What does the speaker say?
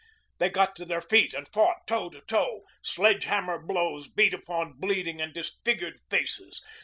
They got to their feet and fought toe to toe. Sledge hammer blows beat upon bleeding and disfigured faces.